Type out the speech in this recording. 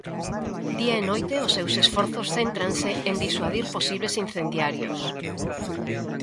Día e noite os seus esforzos céntranse en disuadir posibles incendiarios.